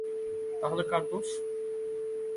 তাহলে কার দোষ?